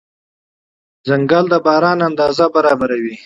ځنګل د باران اندازه برابروي.